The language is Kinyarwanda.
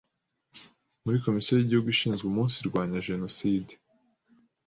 Muri Komisiyo y’Igihugu Ishinzwe Umunsirwanya Jenoside